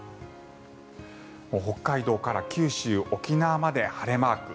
北海道から九州、沖縄まで晴れマーク。